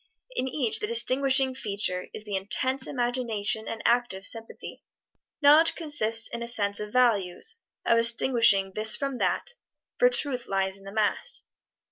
In each the distinguishing feature is the intense imagination and active sympathy. Knowledge consists in a sense of values of distinguishing this from that, for truth lies in the mass.